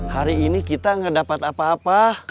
hari ini kita nggak dapat apa apa